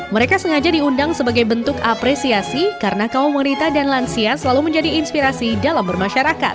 mereka sengaja diundang sebagai bentuk apresiasi karena kaum wanita dan lansia selalu menjadi inspirasi dalam bermasyarakat